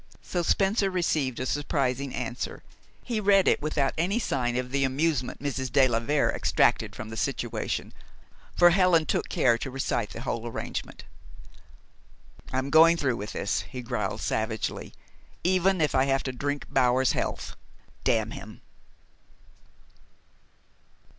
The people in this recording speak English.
So Spencer received a surprising answer. He read it without any sign of the amusement Mrs. de la Vere extracted from the situation, for Helen took care to recite the whole arrangement. "I'm going through with this," he growled savagely, "even if I have to drink Bower's health damn him!"